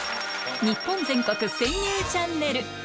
日本全国潜入チャンネル。